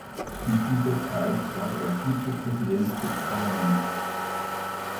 In dieser Zeit war er Vizepräsident des Parlaments.